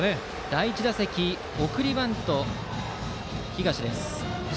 第１打席、送りバントの東です。